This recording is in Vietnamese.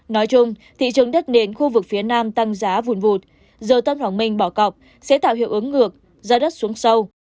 nói chung thị trường đất nền khu vực phía nam tăng giá vùn vụt giờ tân hoàng minh bỏ cọc sẽ tạo hiệu ứng ngược giá đất xuống sâu